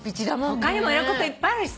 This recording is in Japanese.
他にもやることいっぱいあるしさ。